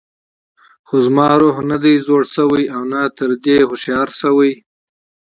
خو زما روح نه دی زوړ شوی او نه تر دې هوښیار شوی.